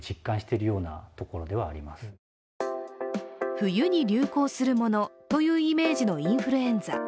冬に流行するものというイメージのインフルエンザ。